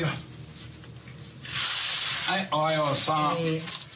はいおはようさん。